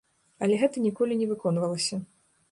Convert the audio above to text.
Але гэта ніколі не выконвалася.